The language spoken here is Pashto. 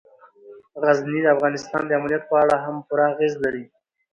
غزني د افغانستان د امنیت په اړه هم پوره اغېز لري.